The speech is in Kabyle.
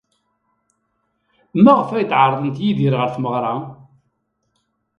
Maɣef ay d-ɛerḍent Yidir ɣer tmeɣra?